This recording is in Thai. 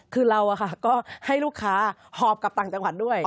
คือเราก็ให้ลูกค้าหอบกลับต่างจังหวัดด้วย